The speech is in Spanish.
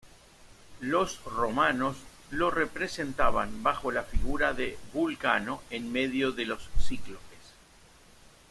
Los romanos lo representaban bajo la figura de Vulcano en medio de los cíclopes.